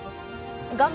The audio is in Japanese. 画面